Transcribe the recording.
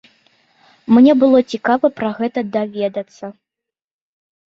Мне было цікава пра гэта даведацца.